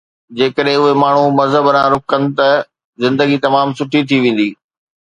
جيڪڏهن اهي ماڻهو مذهب ڏانهن رخ ڪن ته زندگي تمام سٺي ٿي ويندي